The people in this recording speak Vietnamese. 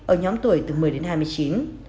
ở nhóm tuổi từ một mươi đến hai mươi chín